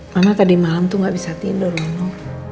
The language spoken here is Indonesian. mama tadi malam tuh gak bisa tidur no